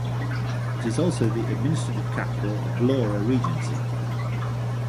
It is also the administrative capital of Blora Regency.